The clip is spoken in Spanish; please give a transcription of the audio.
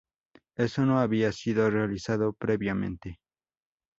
Esto no había sido realizado previamente.